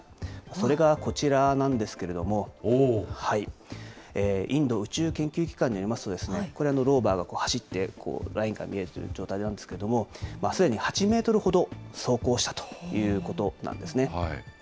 それがこちらなんですけれども、インド宇宙研究機関によりますと、これ、ローバーが走って、ラインが見えるという状態なんですけれども、すでに８メートルほど走行したということなんですね。